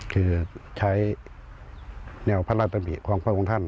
คือใช้แนวพระราชดำริของพระองค์ท่าน